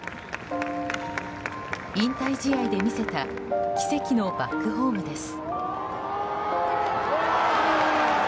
引退試合で見せた奇跡のバックホームです。